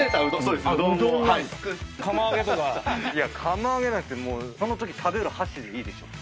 釜揚げなんてもうそのとき食べる箸でいいでしょ。